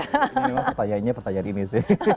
ini pertanyaannya pertanyaan ini sih